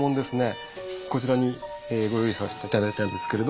こちらにご用意させて頂いたんですけれども